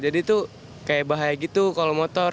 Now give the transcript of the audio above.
jadi itu kayak bahaya gitu kalau motor